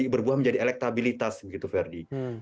berbuah menjadi elektabilitas begitu ferdi